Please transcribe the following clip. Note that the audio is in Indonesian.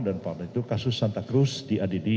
dan pada itu kasus santa cruz diadili